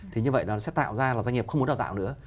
thì như vậy nó sẽ tạo ra là doanh nghiệp không muốn đào tạo nữa